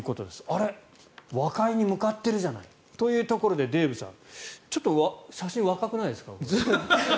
あれ、和解に向かってるじゃないというところでデーブさん、ちょっと写真若くないですか？